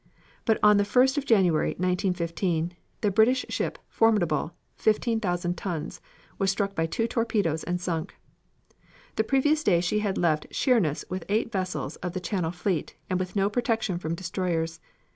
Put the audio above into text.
But on the first of January, 1915, the British ship Formidable, 15,000 tons, was struck by two torpedoes and sunk. The previous day she had left Sheerness with eight vessels of the Channel fleet and with no protection from destroyers.